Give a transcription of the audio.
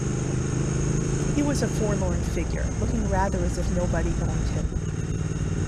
He was a forlorn figure, looking rather as if nobody owned him.